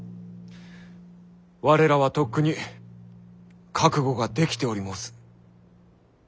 我らはとっくに覚悟ができており申す。